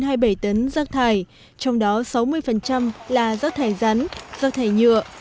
từ hai mươi năm đến hai mươi bảy tấn rác thải trong đó sáu mươi là rác thải rắn rác thải nhựa